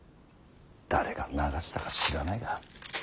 誰が流したか知らないが。